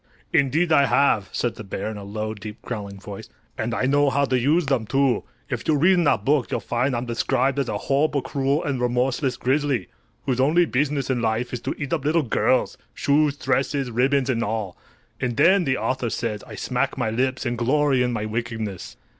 "Indeed I have," said the bear, in a low, deep, growling voice. "And I know how to use them, too. If you read in that book you'll find I'm described as a horrible, cruel and remorseless grizzly, whose only business in life is to eat up little girls—shoes, dresses, ribbons and all! And then, the author says, I smack my lips and glory in my wickedness."